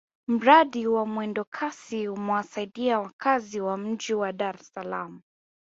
mradi wa mwendokasi umewasaidia wakazi wa mji wa dar es salaam